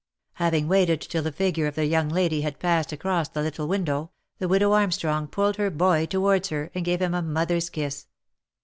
Having waited till the figure of the young lady had passed across the little window, the widow Armstrong pulled her boy towards her, and gave him a mother's kiss.